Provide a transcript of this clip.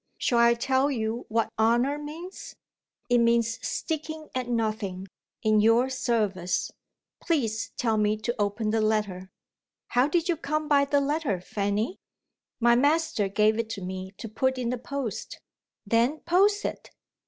Shall I tell you what Honour means? It means sticking at nothing, in your service. Please tell me to open the letter." "How did you come by the letter, Fanny?" "My master gave it to me to put in the post." "Then, post it."